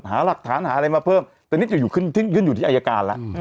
หาหลักฐานหาอะไรมาเพิ่มแต่นี่จะอยู่ขึ้นอยู่ที่อายการแล้ว